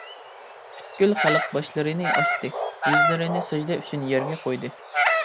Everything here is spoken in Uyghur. پۈتكۈل خەلق باشلىرىنى ئاچتى، يۈزلىرىنى سەجدە ئۈچۈن يەرگە قويدى.